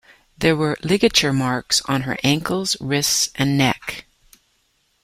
There were ligature marks on her ankles, wrists, and neck.